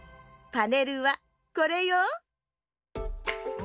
パネルはこれよ。